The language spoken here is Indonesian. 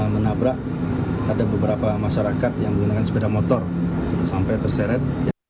menabrak ada beberapa masyarakat yang menggunakan sepeda motor sampai terseret